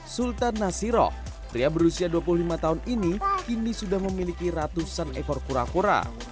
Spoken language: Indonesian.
sultan nasiro pria berusia dua puluh lima tahun ini kini sudah memiliki ratusan ekor kura kura